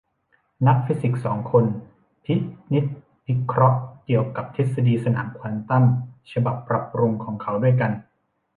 นักฟิสิกส์สองคนพินิจพิเคราะห์เกี่ยวกับทฤษฎีสนามควอนตัมฉบับปรับปรุงของเขาด้วยกัน